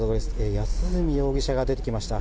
安栖容疑者が出てきました。